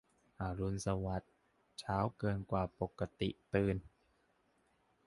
อรุณสวัสดิ์ เช้าเกินกว่าปกติตื่น